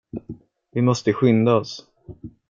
Vi måste skydda oss.